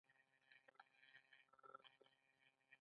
له دې فرصته په استفادې له ابوزید سره اشنا شم.